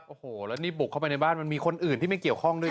โอ้โหแล้วนี่บุกเข้าไปในบ้านมันมีคนอื่นที่ไม่เกี่ยวข้องด้วย